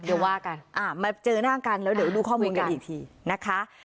เดี๋ยวว่ากันมาเจอหน้ากันแล้วเดี๋ยวดูข้อมูลกันอีกทีนะคะ